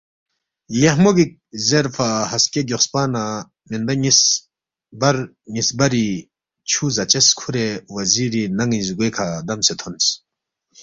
لیخمو گِک زیرفا ہسکے گیوخسپا نہ مندا نِ٘یس بر نِ٘یس بری چھُو زاچس کھُورے وزیری نن٘ی زگوے کھہ دمسے تھونس